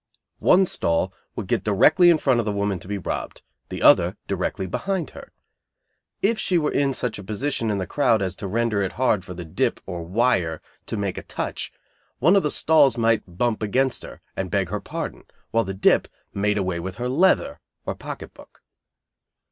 One stall would get directly in front of the woman to be robbed, the other directly behind her. If she were in such a position in the crowd as to render it hard for the "dip," or "wire" to make a "touch," one of the stalls might bump against her, and beg her pardon, while the dip made away with her "leather," or pocket book.